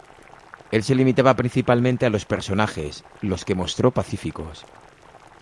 Él se limitaba principalmente a los personajes, los que mostró pacíficos.